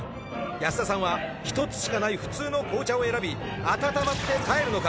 保田さんは１つしかない普通の紅茶を選び温まって帰るのか？